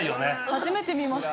初めてみました。